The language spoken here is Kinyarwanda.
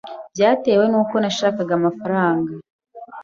byatewe n’uko nashakaga amafaranga